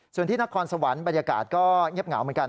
ส่วนที่นครสวรรค์บรรยากาศก็เงียบเหงาเหมือนกัน